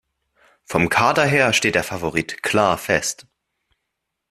Vom Kader her steht der Favorit klar fest.